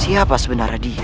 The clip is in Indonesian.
siapa sebenarnya dia